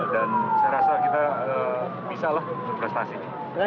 dan saya rasa kita bisa lah berprestasi